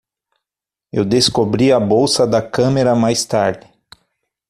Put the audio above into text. Eu descobri a bolsa da câmera mais tarde.